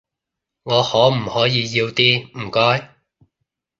我可唔可以要啲，唔該？